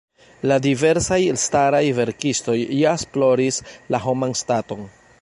La diversaj elstaraj verkistoj ja esploris la homan staton.